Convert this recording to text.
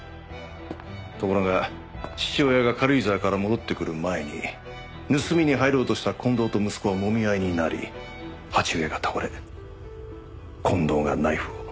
ところが父親が軽井沢から戻ってくる前に盗みに入ろうとした近藤と息子はもみ合いになり鉢植えが倒れ近藤がナイフを。